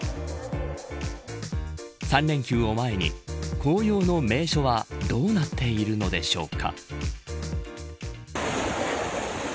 ３連休を前に紅葉の名所はどうなっているのでしょうか。